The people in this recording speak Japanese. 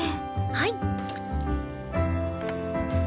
はい。